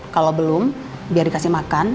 kalau belum biar dikasih makan